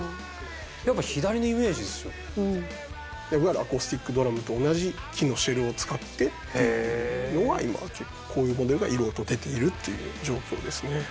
アコースティックドラムと同じ木のシェルを使ってっていうのが今こういうモデルが色々と出ているという状況ですね。